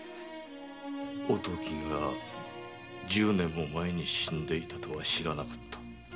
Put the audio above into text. おときが十年も前に死んでいたとは知らなかった。